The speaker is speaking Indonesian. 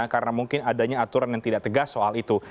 karena mungkin adanya aturan yang tidak tegas soal itu